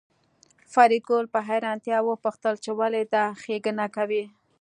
فریدګل په حیرانتیا وپوښتل چې ولې دا ښېګڼه کوې